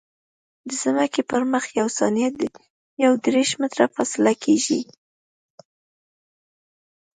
د ځمکې پر مخ یوه ثانیه یو دېرش متره فاصله کیږي